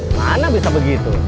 mana bisa begitu